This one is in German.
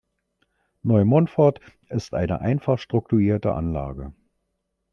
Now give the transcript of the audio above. Neu-Montfort ist eine einfach strukturierte Anlage.